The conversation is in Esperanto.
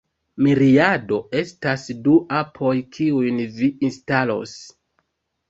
Miriado estas du apoj kiujn vi instalos